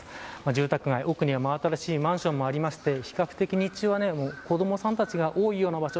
住宅街、奥には真新しいマンションもありまして比較的、日中は子どもさんが多いような場所。